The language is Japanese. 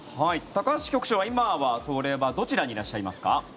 高橋支局長は今はそれはどちらにいらっしゃいますか？